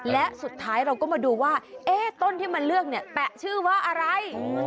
และสุดท้ายเราก็มาดูว่าต้นที่มันเลือกเนี่ยแปะชื่อว่าอะไร